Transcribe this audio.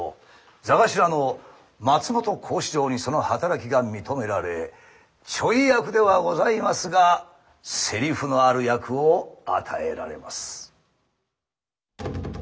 座頭の松本幸四郎にその働きが認められちょい役ではございますがセリフのある役を与えられます。